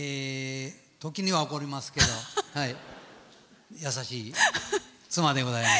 時には怒りますけど優しい妻でございます。